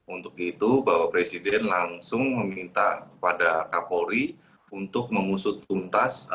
untuk itu bapak presiden langsung meminta kepada kapolri untuk mengusut tuntas